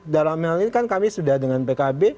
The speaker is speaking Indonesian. dalam hal ini kan kami sudah dengan pkb